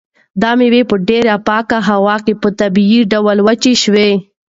دا مېوې په ډېره پاکه هوا کې په طبیعي ډول وچې شوي.